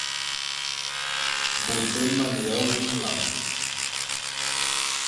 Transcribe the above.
Bôt be maneya wu nlam.